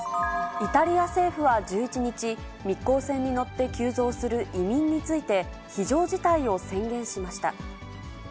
イタリア政府は１１日、密航船に乗って急増する移民について、非常事態を宣言しました。